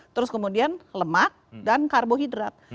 terus kemudian lemak dan karbohidrat